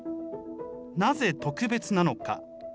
なぜ特別なのか。